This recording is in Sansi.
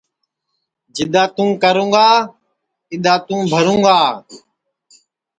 جِدؔا تُوں کرُوں گا اِدؔا تُوں بھرُوں گا